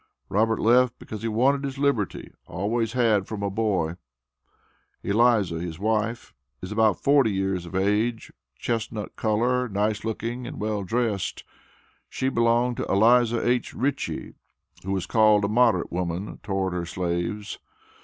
Robert left because he "wanted his liberty always had from a boy." Eliza, his wife, is about forty years of age, chestnut color, nice looking, and well dressed. She belonged to Eliza H. Richie, who was called a "moderate woman" towards her slaves.